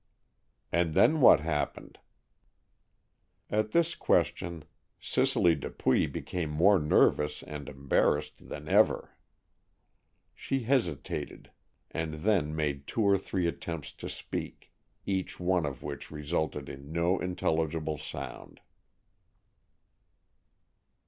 "And then what happened?" At this question Cicely Dupuy became more nervous and embarrassed than ever. She hesitated and then made two or three attempts to speak, each one of which resulted in no intelligible sound.